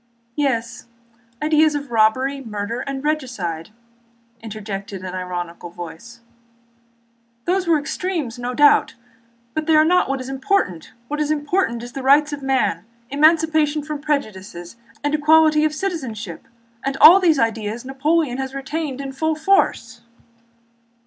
"Yes: ideas of robbery, murder, and regicide," again interjected an ironical voice. "Those were extremes, no doubt, but they are not what is most important. What is important are the rights of man, emancipation from prejudices, and equality of citizenship, and all these ideas Napoleon has retained in full force."